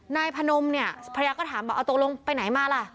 นายพนมเนี่ยภรรยาก็ถามบอกเอาตกลงไปไหนมาล่ะ